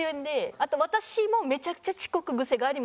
あと私もめちゃくちゃ遅刻グセがありまして。